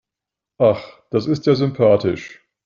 Ach, das ist ja sympathisch.